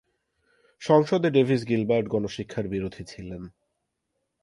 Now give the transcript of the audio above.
সংসদে Davies Gilbert গণশিক্ষার বিরোধী ছিলেন।